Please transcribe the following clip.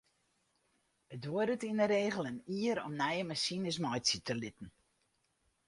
It duorret yn de regel in jier om nije masines meitsje te litten.